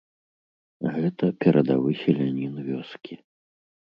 Гэта перадавы селянін вёскі.